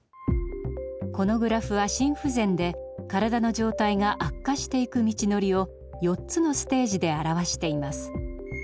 このグラフは心不全で身体の状態が悪化していく道のりを４つのステージで表しています。